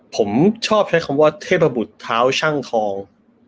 ผมชอบใช้คำว่าเทพบุตรเท้าช่างทอง